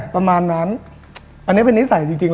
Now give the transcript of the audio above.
ประมาณนั้นอันนี้เป็นนิสัยจริง